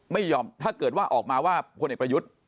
ไม่ยอมถ้าเกิดว่าออกมาว่าพลเอกประยุทธ์